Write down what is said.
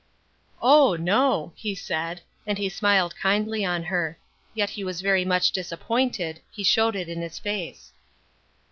"Oh, no," he said, and he smiled kindly on her; yet he was very much disappointed; he showed it in his face.